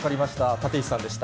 立石さんでした。